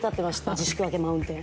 自粛明けマウンテン。